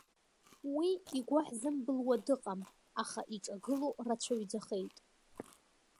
Уи игәы ҳзымбылуа дыҟам, аха иҿагыло рацәаҩӡахеит.